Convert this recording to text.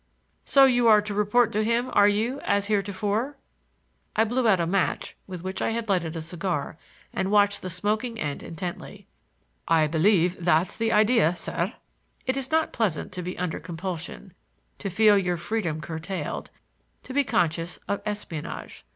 "So you are to report to him, are you, as heretofore?" I blew out a match with which I had lighted a cigar and watched the smoking end intently. "I believe that's the idea, sir." It is not pleasant to be under compulsion,—to feel your freedom curtailed, to be conscious of espionage.